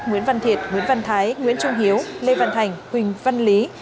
nguyễn văn thiệt nguyễn văn thái nguyễn trung hiếu lê văn thành huỳnh văn lý